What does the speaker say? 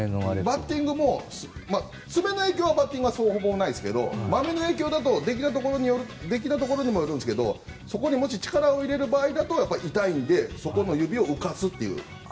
バッティングは割れの影響はほぼないですがまめの影響はできたところにもよるんですがそこに力を入れる場合だと痛いのでそこの指を浮かすという。